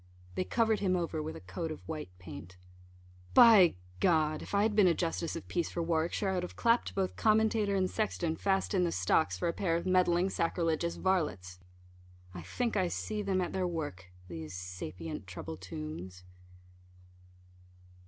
They covered him over with a coat of white paint. By , if I had been a justice of peace for Warwickshire, I would have clapt both commentator and sexton fast in the stocks, for a pair of meddling sacrilegious varlets. I think I see them at their work these sapient trouble tombs.